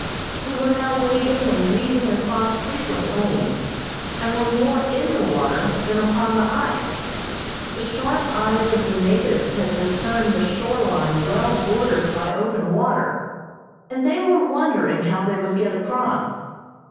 We were now wading and leaping across frequent lanes, and were more in the water than upon the ice. The sharp eyes of the natives had discerned the shore line well bordered by open water, and they were wondering how they would get across.